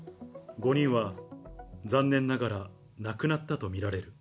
５人は残念ながら亡くなったと見られる。